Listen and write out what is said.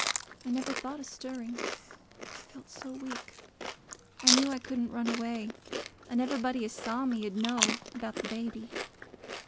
I never thought o' stirring, I felt so weak. I knew I couldn't run away, and everybody as saw me 'ud know about the baby.